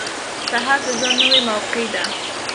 • سهار د ژوند نوې موقع ده.